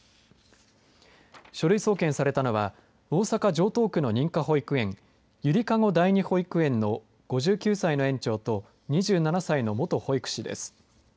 書類送検されたのは大阪、城東区の認可保育園ゆりかご第２保育園の５９歳の園長と２７歳の元保育士です。